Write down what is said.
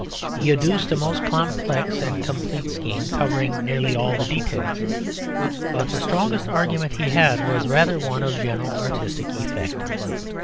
He adduced a most complex and complete scheme covering nearly all the details; but the strongest argument he had was rather one of general artistic effect.